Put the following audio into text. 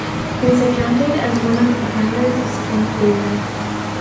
He was accounted as one of the founders of string theory.